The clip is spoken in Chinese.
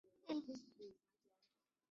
为牟羽可汗的宰相。